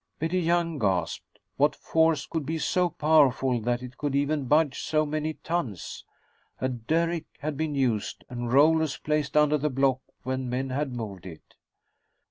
Betty Young gasped. What force could be so powerful that it could even budge so many tons? A derrick had been used, and rollers placed under the block when men had moved it.